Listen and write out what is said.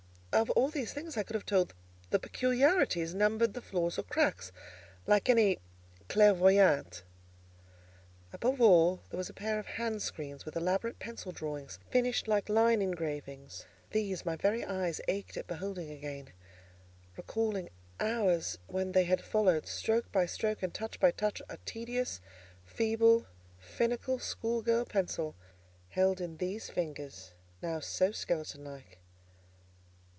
Of all these things I could have told the peculiarities, numbered the flaws or cracks, like any clairvoyante. Above all, there was a pair of handscreens, with elaborate pencil drawings finished like line engravings; these, my very eyes ached at beholding again, recalling hours when they had followed, stroke by stroke and touch by touch, a tedious, feeble, finical, school girl pencil held in these fingers, now so skeleton like.